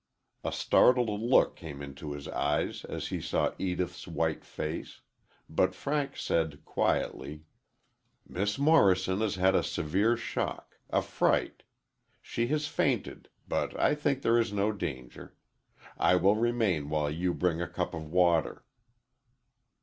A startled look came into his eyes as he saw Edith's white face, but Frank said quietly: "Miss Morrison has had a severe shock a fright. She has fainted, but I think there is no danger. I will remain while you bring a cup of water."